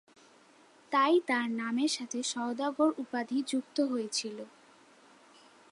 তাই তার নামের সাথে সওদাগর উপাধি যুক্ত হয়েছিল।